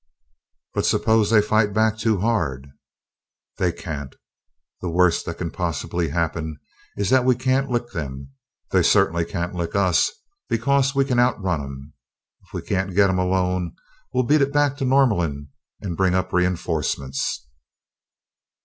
"But suppose they fight back too hard?" "They can't the worst that can possibly happen is that we can't lick them. They certainly can't lick us, because we can outrun 'em. If we can't get 'em alone, we'll beat it back to Norlamin and bring up re enforcements."